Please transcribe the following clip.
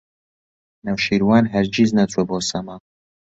نەوشیروان هەرگیز نەچووە بۆ سەما.